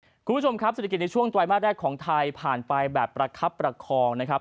คุณผู้ชมครับเศรษฐกิจในช่วงไตรมาสแรกของไทยผ่านไปแบบประคับประคองนะครับ